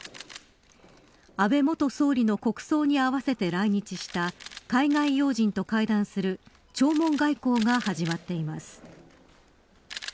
安倍元総理の国葬に合わせて来日した海外要人と会談する弔問外交が始まっています。